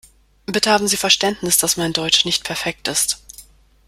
Bitte haben Sie Verständnis, dass mein Deutsch nicht perfekt ist.